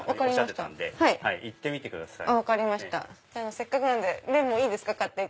せっかくなんで麺もいいですか？